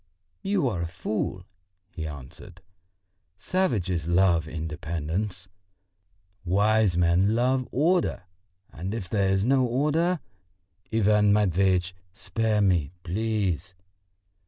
"You are a fool," he answered. "Savages love independence, wise men love order; and if there is no order...." "Ivan Matveitch, spare me, please!"